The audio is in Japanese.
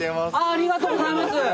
ありがとうございます。